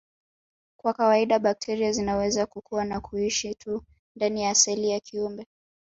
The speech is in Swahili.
Kwa kawaida bakteria zinaweza kukua na kuishi tu ndani ya seli ya kiumbe